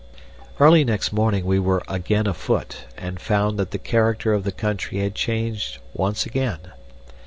Early next morning we were again afoot, and found that the character of the country had changed once again.